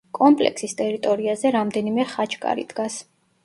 კომპლექსის ტერიტორიაზე რამდენიმე ხაჩკარი დგას.